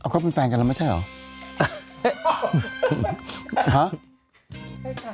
เขาเป็นแฟนกันแล้วไม่ใช่เหรอ